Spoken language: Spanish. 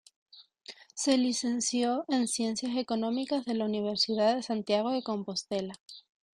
Se licenció en Ciencias Económicas en la Universidad de Santiago de Compostela.